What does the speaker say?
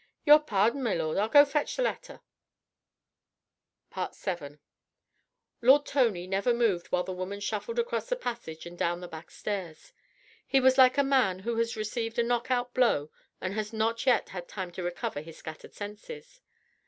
"Your pardon, my lord, I'll go fetch th' letter." VII Lord Tony never moved while the woman shuffled across the passage and down the back stairs. He was like a man who has received a knock out blow and has not yet had time to recover his scattered senses.